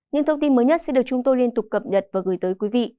những thông tin mới nhất sẽ được chúng tôi liên tục cập nhật và gửi tới quý vị